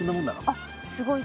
あっすごい。